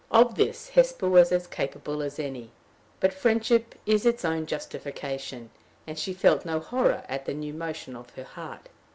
Of this, Hesper was as capable as any; but friendship is its own justification, and she felt no horror at the new motion of her heart.